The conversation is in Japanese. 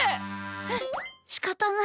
はっしかたない。